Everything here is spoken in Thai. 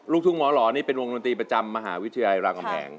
ทุ่งหมอหล่อนี่เป็นวงดนตรีประจำมหาวิทยาลัยรามกำแหง